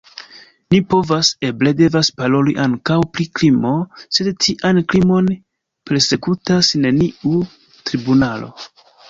Ni povas, eble devas paroli ankaŭ pri krimo, sed tian krimon persekutas neniu tribunalo.